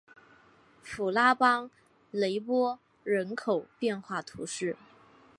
普拉邦雷波人口变化图示